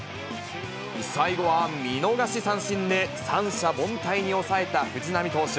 最後は見逃し三振で、三者凡退に抑えた藤浪投手。